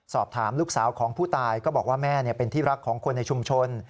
สอบถามลูกสาวของผู้ตายก็บอกว่าแม่เป็นที่รักของคนในชุมชน